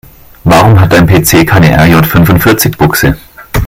Warum hat dein PC keine RJ-fünfundvierzig-Buchse?